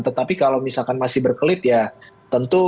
tetapi kalau misalkan masih berkelit ya tentu